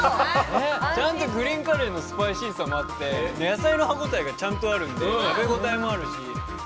ちゃんとグリーンカレーのスパイシーさもあって、野菜の歯ごたえがちゃんとあるので、食べごたえもあるし。